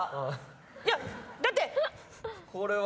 いやだって。